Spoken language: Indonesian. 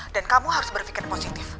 dan kamu harus berpikir positif